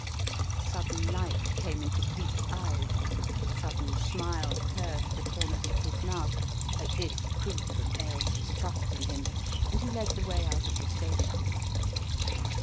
A sudden light came into Cleek's eyes, a sudden smile curved the corners of his mouth at this proof of Ailsa's trust in him, and he led the way out of the station.